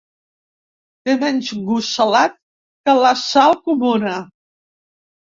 Té menys gust salat que la sal comuna.